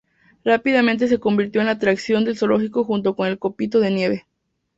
Rápidamente se convirtió en la atracción del zoológico junto con el Copito de Nieve.